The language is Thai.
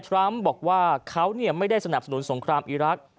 ทรัมป์บอกว่าเขาไม่ได้สนับสนุนสงครามอีรักษ์